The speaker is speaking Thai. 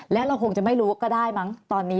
แล้วเราคงจะไม่รู้ก็ได้มั้งตอนนี้